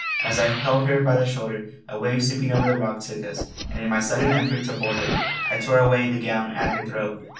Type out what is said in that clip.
As I held her by the shoulder, a wave sweeping over the rock took us, and in my sudden effort to hold her I tore away the gown at her throat.